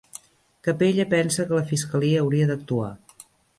Capella pensa que la fiscalia hauria d'actuar